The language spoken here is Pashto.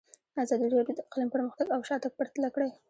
ازادي راډیو د اقلیم پرمختګ او شاتګ پرتله کړی.